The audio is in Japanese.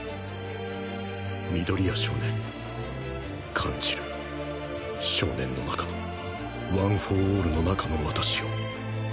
緑谷少年感じる少年の中のワン・フォー・オールの中の私を